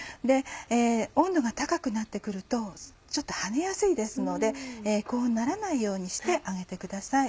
温度が高くなって来るとちょっと跳ねやすいですので高温にならないようにして揚げてください。